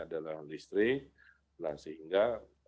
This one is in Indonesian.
adalah listrik nah sehingga